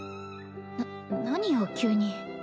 な何よ急に？